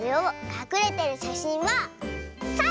かくれてるしゃしんはサイ！